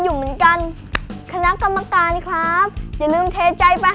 อยู่เหมือนกันคณะกรรมการครับอย่าลืมเทใจไป